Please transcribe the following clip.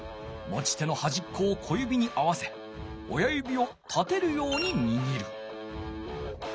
持ち手のはじっこを小指に合わせ親指を立てるようににぎる。